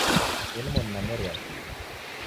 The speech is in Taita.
Inimoni nameria kuja